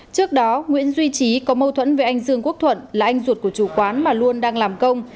trước đó nguyễn duy trí có mâu thuẫn với anh dương quốc thuận là anh ruột của chủ quán mà luôn đang làm công